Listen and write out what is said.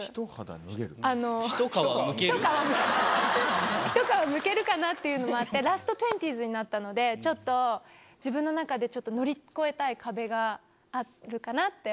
一皮むける一皮むけるかなっていうのもあってラスト２０’ｓになったのでちょっと自分の中で乗り越えたい壁があるかなっていうので。